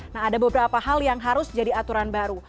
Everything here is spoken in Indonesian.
nah ada beberapa hal yang harus jadi aturan baru